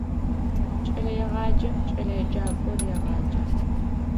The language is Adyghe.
Кӏэлэегъаджэм кӏэлэеджакӏор регъаджэ.